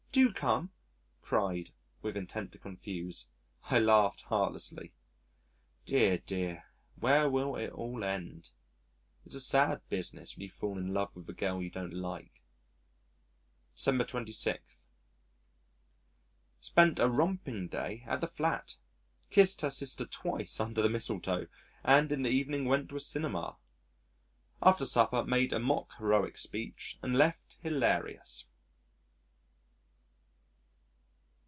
Do come," cried , with intent to confuse. I laughed heartlessly. Dear, dear, where will it all end? It's a sad business when you fall in love with a girl you don't like. December 26. Spent a romping day at the Flat. Kissed her sister twice under the mistletoe, and in the evening went to a cinema. After supper made a mock heroic speech and left hilarious.